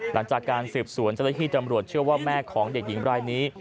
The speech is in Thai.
หลังจากการสืบสวนเจ้าหน้าที่ตำรวจเชื่อว่าแม่ของเด็กหญิงรายนี้